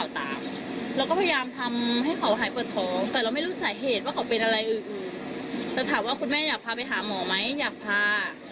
แต่ถามว่าคุณแม่อยากพาไปหาหมอไหมอยากพา